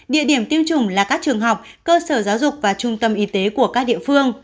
địa điểm tiêm chủng là các trường học cơ sở giáo dục và trung tâm y tế của các địa phương